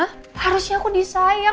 harusnya aku disayang